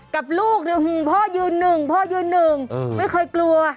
กับลูกพ่อยืนหนึ่งพ่อยืนหนึ่งไม่เคยกลัว